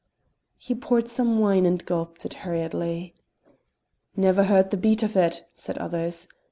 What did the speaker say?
He poured some wine and gulped it hurriedly. "Never heard the beat of it!" said the others.